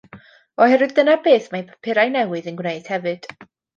Oherwydd dyna beth mae papurau newydd yn gwneud hefyd